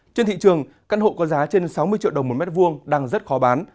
trên thị trường căn hộ có giá trên sáu mươi triệu đồng một m hai đang rất khó bán